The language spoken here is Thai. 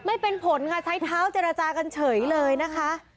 ไม่เป็นผลค่ะใช้เท้าเจรจากันเฉยเลยนะคะ